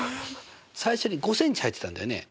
最初に５ｃｍ入ってたんだよね。